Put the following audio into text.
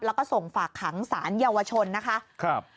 แล้วก็ส่งฝากขังสารเยาวชนนะคะ